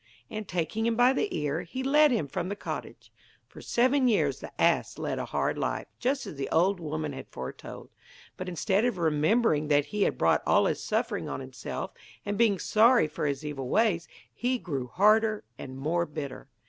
And taking him by the ear he led him from the cottage. For seven years the ass led a hard life, just as the old woman had foretold. But instead of remembering that he had brought all his suffering on himself, and being sorry for his evil ways, he grew harder, and more bitter.